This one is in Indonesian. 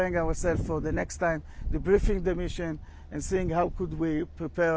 dan kita sedang menyiapkan diri untuk masa depan